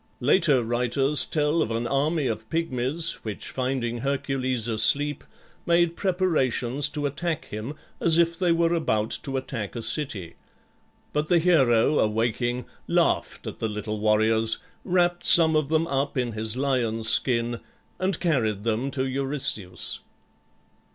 Later writers tell of an army of Pygmies which finding Hercules asleep made preparations to attack him, as if they were about to attack a city. But the hero, awaking, laughed at the little warriors, wrapped some of them up in his lion's skin, and carried them to Eurystheus.